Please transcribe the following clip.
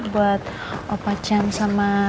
buat opacan sama